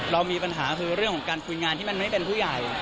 เรามีปัญหาคือเรื่องของการคุยงานที่มันไม่เป็นผู้ใหญ่